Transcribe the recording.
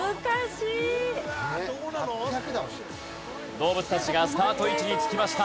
動物たちがスタート位置に着きました。